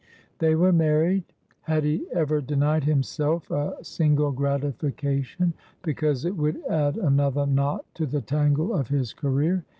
They were married. Had he ever denied himself a single gratification, because it would add another knot to the tangle of his career?